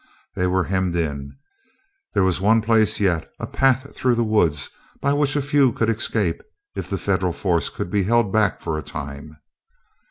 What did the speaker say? They were hemmed in. There was one place yet, a path through the woods, by which a few could escape, if the Federal force could be held back for a time.